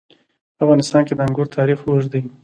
په افغانستان کې د انګور تاریخ اوږد دی.